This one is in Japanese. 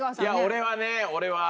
俺はね俺は。